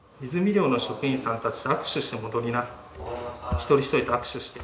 一人一人と握手して。